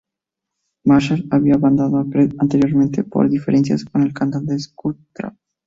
Marshall había abandonado Creed anteriormente por diferencias con el cantante Scott Stapp.